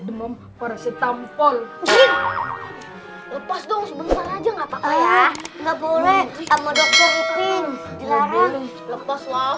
demam parasit tampol lepas dong sebentar aja nggak boleh sama dokter ipin jelarang lepas lah